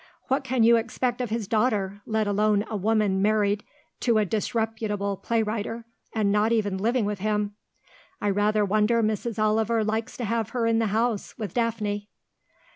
What can you expect of his daughter, let alone a woman married to a disreputable play writer, and not even living with him? I rather wonder Mrs. Oliver likes to have her in the house with Daphne."